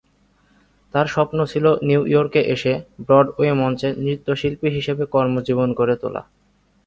তার স্বপ্ন ছিল নিউ ইয়র্কে এসে ব্রডওয়ে মঞ্চে নৃত্যশিল্পী হিসেবে কর্মজীবন গড়ে তোলা।